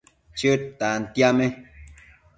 Chëd tantiame